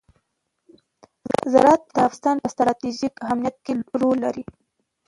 زراعت د افغانستان په ستراتیژیک اهمیت کې رول لري.